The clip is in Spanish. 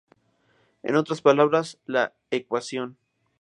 En otras palabras, la ecuación.